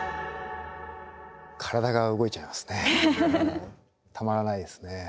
体が動いちゃいますね。